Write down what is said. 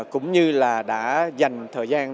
cũng như là đã dành thời gian